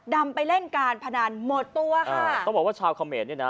นำไปเล่นการพนันหมดตัวค่ะต้องบอกว่าชาวเขมรเนี่ยนะ